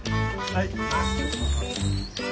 はい。